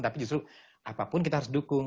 tapi justru apapun kita harus dukung